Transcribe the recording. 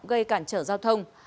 gây cản trở giao thông